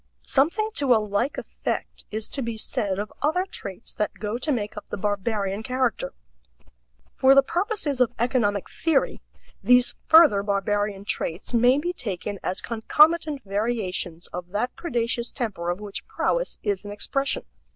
Something to a like effect is to be said of other traits that go to make up the barbarian character. For the purposes of economic theory, these further barbarian traits may be taken as concomitant variations of that predaceous temper of which prowess is an expression.